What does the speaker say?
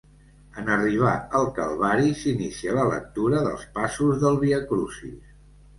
En arribar al Calvari s'inicia la lectura dels passos del Via Crucis.